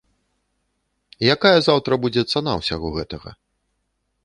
Якая заўтра будзе цана ўсяго гэтага?